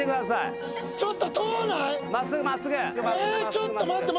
ちょっと待って待って。